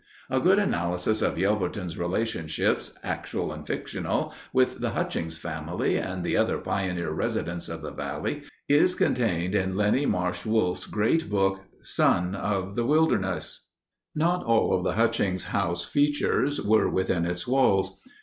A good analysis of Yelverton's relationships, actual and fictional, with the Hutchings family and the other pioneer residents of the valley is contained in Linnie Marsh Wolfe's great book, Son of the Wilderness. Not all of the Hutchings House features were within its walls.